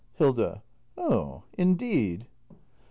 Hilda. Oh, indeed!